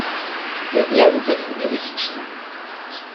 Wir werden für den Bericht stimmen.